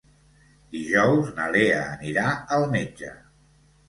Dijous na Lea anirà al metge.